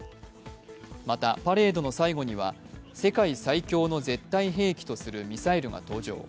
また、パレードの最後には世界最強の絶対兵器とするミサイルが登場。